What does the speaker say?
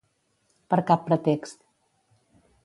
Per cap pretext.